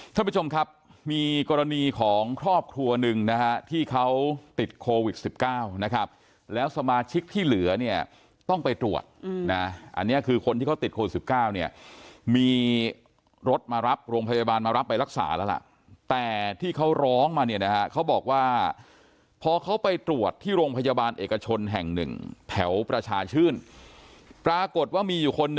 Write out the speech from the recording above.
ท่านผู้ชมครับมีกรณีของครอบครัวหนึ่งนะฮะที่เขาติดโควิด๑๙นะครับแล้วสมาชิกที่เหลือเนี่ยต้องไปตรวจนะอันนี้คือคนที่เขาติดโควิด๑๙เนี่ยมีรถมารับโรงพยาบาลมารับไปรักษาแล้วล่ะแต่ที่เขาร้องมาเนี่ยนะฮะเขาบอกว่าพอเขาไปตรวจที่โรงพยาบาลเอกชนแห่งหนึ่งแถวประชาชื่นปรากฏว่ามีอยู่คน